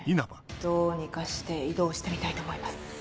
どうにかして移動してみたいと思います。